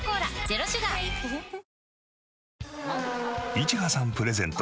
いちはさんプレゼント